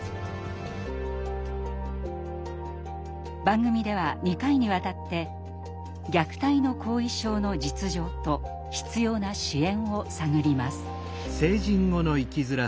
番組では２回にわたって虐待の“後遺症”の実情と必要な支援を探ります。